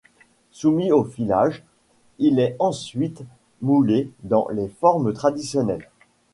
Soumis au filage, il est ensuite moulé dans les formes traditionnelles.